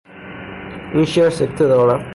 این شعر سکته دارد.